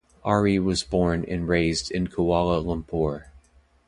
Ary was born and raised in Kuala Lumpur.